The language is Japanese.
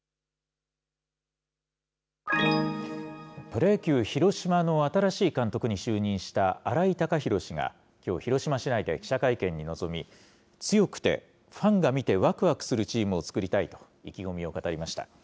プロ野球、広島の新しい監督に就任した新井貴浩氏が、きょう、広島市内で記者会見に臨み、強くてファンが見てわくわくするチームを作りたいと意気込みを語りました。